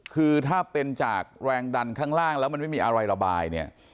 คือถ้าเป็นจากแรงดันข้างล่างแล้วมันไม่มีอะไรระบายเนี่ย